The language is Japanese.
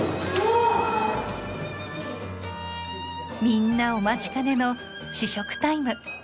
みんなお待ちかねの試食タイム。